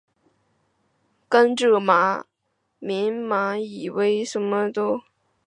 甘蔗绵蚜为扁蚜科粉角扁蚜属下的一个种。